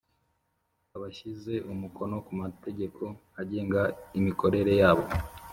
Abashyize umukono ku mategeko agenga imikorere yabo